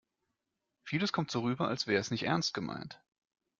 Vieles kommt so rüber, als wäre es nicht ernst gemeint.